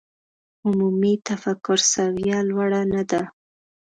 عمومي تفکر سویه لوړه نه ده.